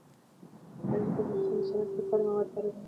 تاریخ د افغانستان د صنعت لپاره مواد برابروي.